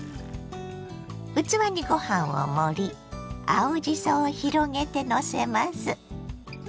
器にご飯を盛り青じそを広げてのせます。